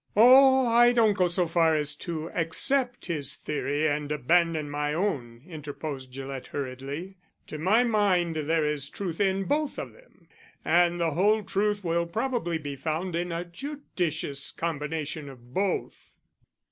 "Oh, I don't go so far as to accept his theory and abandon my own," interposed Gillett hurriedly. "To my mind there is truth in both of them, and the whole truth will probably be found in a judicious combination of both."